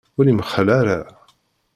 Ur imxell ara.